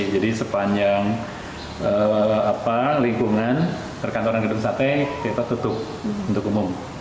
jadi sepanjang lingkungan perkantoran gedung sate kita tutup untuk umum